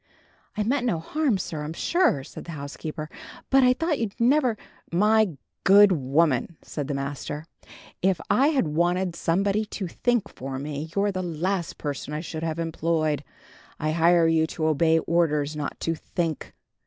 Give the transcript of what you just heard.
"I meant no harm, sir, I'm sure," said the housekeeper; "but I thought you'd never " "My good woman," said her master, "if I had wanted somebody to think for me, you're the last person I should have employed. I hire you to obey orders, not to think."